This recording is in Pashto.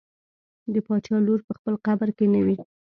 د باچا لور په خپل قبر کې نه وي.